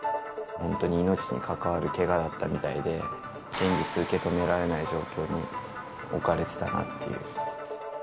本当に命に関わるけがだったみたいで、現実を受け止められない状況に置かれてたなっていう。